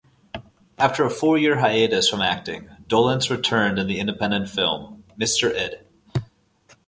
After a four-year hiatus from acting, Dolenz returned in the independent film "Mr. Id".